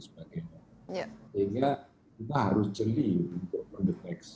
sehingga kita harus jeli untuk mendeteksi